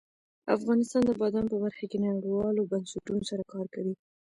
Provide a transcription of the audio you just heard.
افغانستان د بادام په برخه کې نړیوالو بنسټونو سره کار کوي.